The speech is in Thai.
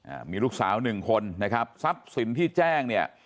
อ่ามีลูกสาวหนึ่งคนนะครับทรัพย์สินที่แจ้งเนี่ย